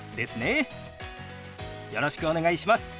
よろしくお願いします。